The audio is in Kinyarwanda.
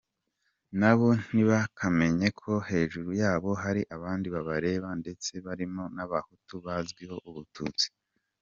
Nabo ntibakamenye ko hejuru yabo hari abandi babareba, ndetse barimo n’abahutu bazwiho ubututsi.